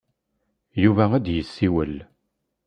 Yuba ad d-yessiwel.